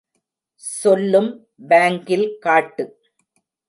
சொல்லும் பாங்கில் காட்டு!